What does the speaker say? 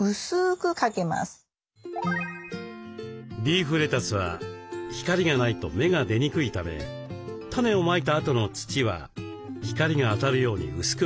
リーフレタスは光がないと芽が出にくいためタネをまいたあとの土は光が当たるように薄くかけます。